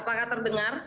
ya sekarang terdengar